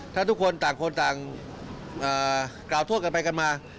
ถ้าทุกคนต่างคนต่างกล่าวโทษกันไปกันมา